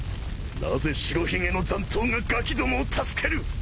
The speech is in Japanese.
なぜ白ひげの残党がガキどもを助ける！？